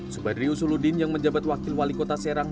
subadri usuludin yang menjabat wakil wali kota serang